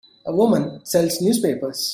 A woman sells newspapers.